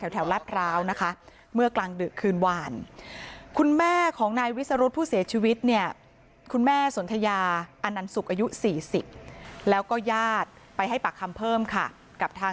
ห้าแถวราฟราวเมื่อกลางดื่มคืนวาน